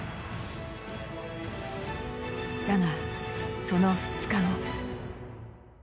だがその２日後。